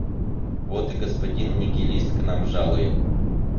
Вот и господин нигилист к нам жалует!